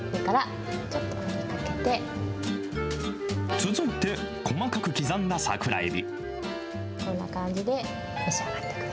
続いて、細かく刻んだ桜えび。